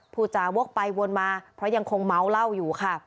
ผู้จาวกไปวนมาเพราะยังคงเมาเหล้าอยู่ค่ะ